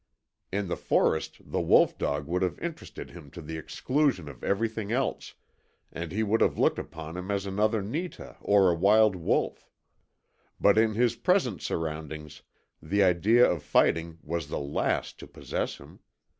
In the forest the wolf dog would have interested him to the exclusion of everything else, and he would have looked upon him as another Netah or a wild wolf. But in his present surroundings the idea of fighting was the last to possess him.